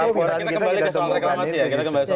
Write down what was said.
kita kembali ke soal reklamasi